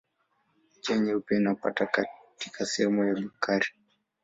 Njia Nyeupe inapita katika sehemu ya Bakari.